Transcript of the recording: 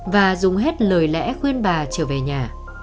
và dùng hết lời lẽ khuyên bà trở về nhà